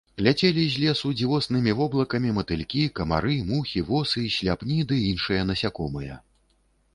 Ляцелі з лесу дзівоснымі воблакамі матылькі, камары, мухі, восы, сляпні ды іншыя насякомыя.